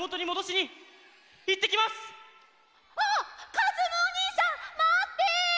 かずむおにいさんまって！